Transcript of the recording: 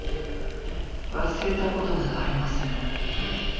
忘れたことなどありません。